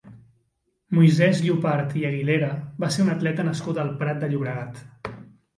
Moisès Llopart i Aguilera va ser un atleta nascut al Prat de Llobregat.